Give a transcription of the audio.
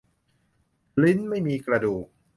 ลิ้นไม่มีกระดูก